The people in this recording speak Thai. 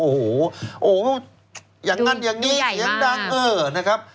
โอ้โหอย่างนั้นอย่างนี้อย่างนั้นเออนะครับ